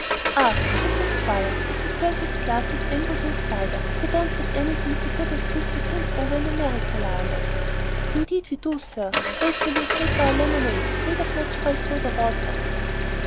"Ah!" said the Squire, as he filled his glass with amber hued cider, "you don't get anything so good as this to drink over in America, Lionel." "Indeed we do, sir. Wait till you taste our lemonade made with natural soda water."